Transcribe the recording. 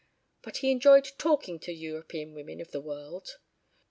But he enjoyed talking to European women of the world.